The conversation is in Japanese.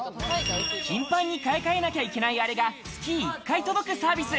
頻繁に買い替えないといけないあれが月１回、届くサービス。